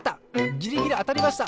ギリギリあたりました。